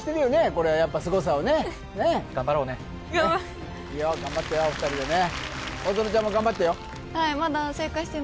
これやっぱすごさをね頑張りいいよ頑張ってよお二人でね